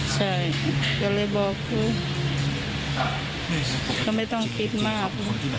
ใช่แล้วเลยบอกว่าก็ไม่ต้องคิดมาก